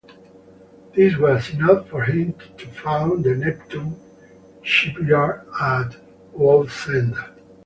This was enough for him to found the Neptune Shipyard at Wallsend.